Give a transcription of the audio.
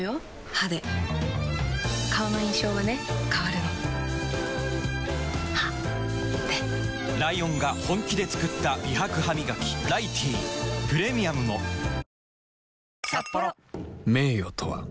歯で顔の印象はね変わるの歯でライオンが本気で作った美白ハミガキ「ライティー」プレミアムも名誉とは